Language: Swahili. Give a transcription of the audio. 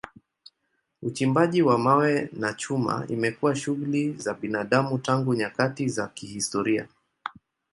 Uchimbaji wa mawe na chuma imekuwa shughuli za binadamu tangu nyakati za kihistoria.